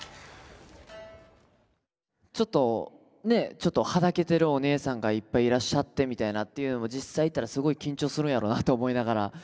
ちょっとねえはだけてるおねえさんがいっぱいいらっしゃってみたいなっていうのも実際行ったらすごい緊張するんやろなと思いながら。